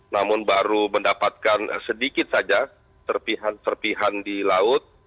namun baru mendapatkan sedikit saja serpihan serpihan di laut